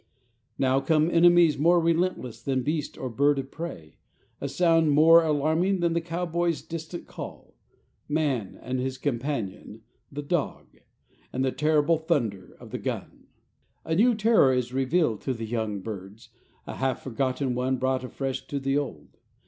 Now come enemies more relentless than beast or bird of prey, a sound more alarming than the cowboy's distant call man and his companion the dog, and the terrible thunder of the gun. A new terror is revealed to the young birds, a half forgotten one brought afresh to the old.